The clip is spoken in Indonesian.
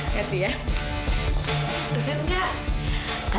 terima kasih ya